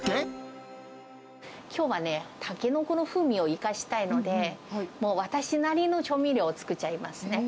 きょうはね、タケノコの風味を生かしたいので、もう私なりの調味料を作っちゃいますね。